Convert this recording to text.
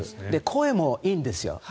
声もいいんですよ。